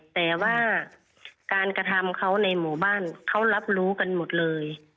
แต่ว่าการกระทำเขาในหมู่บ้านเขารับรู้กันหมดเลย